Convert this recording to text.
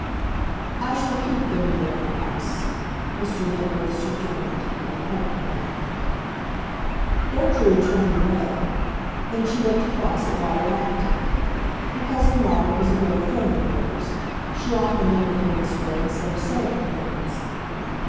"I shall keep them in the other house," Mr. Wentworth subjoined, more pregnantly. Gertrude turned away; then she looked across at Robert Acton. Her cousin Robert was a great friend of hers; she often looked at him this way instead of saying things.